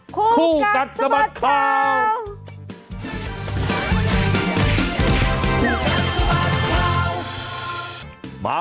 คู่กันสมัดเข้า